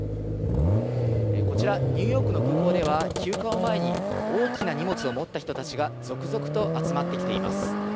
こちら、ニューヨークの空港では休暇を前に大きな荷物を持った人たちが続々と集まってきています。